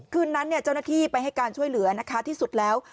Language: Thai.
คืนนั้นเจ้าหน้าที่ไปให้การช่วยเหลือนะคะที่สุดแล้ว